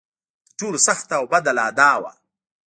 تر ټولو سخته او بده لا دا وه.